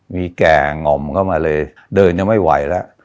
มีแก่ง่อมเข้ามาเลยเดินยังไม่ไหวแล้ว